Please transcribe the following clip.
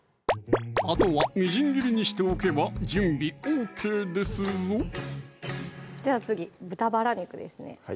あとはみじん切りにしておけば準備ＯＫですぞじゃあ次豚バラ肉ですね